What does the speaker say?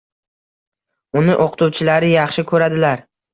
Uni o‘qituvchilari yaxshi ko‘radilar.